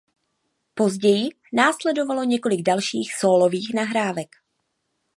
Později následovalo několik dalších sólových nahrávek.